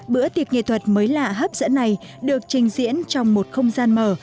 bữa tiệc nghệ thuật mới lạ hấp dẫn này được trình diễn trong một không gian mở